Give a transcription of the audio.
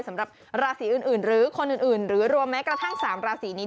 สำหรับราศีอื่นหรือคนอื่นหรือรวมแม้กระทั่ง๓ราศีนี้